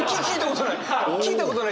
聞いたことない！